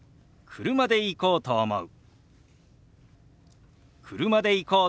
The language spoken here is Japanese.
「車で行こうと思う」。